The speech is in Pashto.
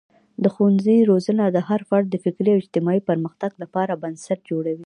د ښوونځي روزنه د هر فرد د فکري او اجتماعي پرمختګ لپاره بنسټ جوړوي.